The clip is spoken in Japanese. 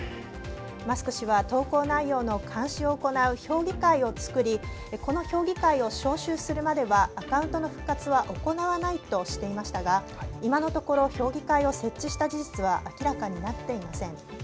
マスク氏は投稿内容の監視を行う評議会をつくりこの評議会を招集するまではアカウントの復活は行わないとしていましたが今のところ、評議会を設置した事実は明らかになっていません。